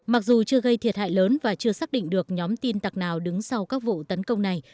mặc dù chưa gây thiệt hại lớn và chưa xác định được nhóm tin tặc nào đứng sau các vụ tấn công này